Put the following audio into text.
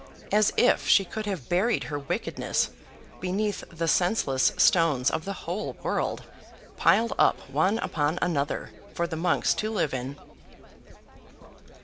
As if she could have buried her wickedness beneath the senseless stones of the whole world, piled up one upon another, for the monks to live in!